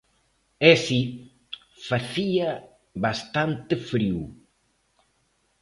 E si, facía bastante frío.